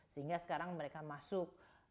sehingga sekarang mereka masuk